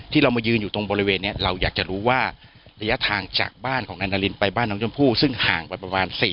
ที่เรามายืนอยู่ตรงบริเวณนี้เราอยากจะรู้ว่าระยะทางจากบ้านของนายนารินไปบ้านน้องชมพู่ซึ่งห่างไปประมาณ๔๐